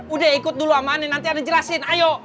udah ikut dulu aman nanti ada yang jelasin ayo